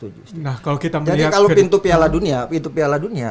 jadi kalau pintu piala dunia